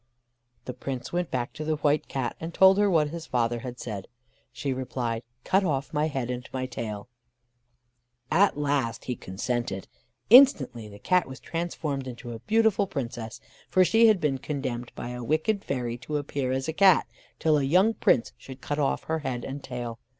The Prince went back to the White Cat, and told her what his father had said. She replied: "Cut off my head and my tail." At last he consented: instantly the Cat was transformed into a beautiful Princess; for she had been condemned by a wicked fairy to appear as a Cat, till a young Prince should cut off her head and tail.